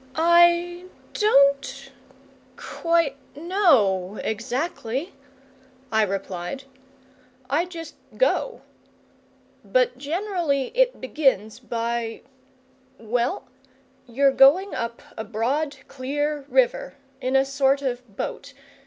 "I don't quite know exactly," I replied. "I just go. But generally it begins by well, you're going up a broad, clear river in a sort of a boat.